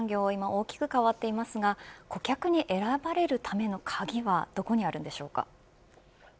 外食産業は今大きく変わっていますが顧客に選ばれるための鍵はどこにあるんでしょうか。